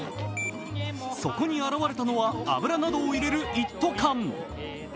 そこに現れたのは油などを入れる一斗缶。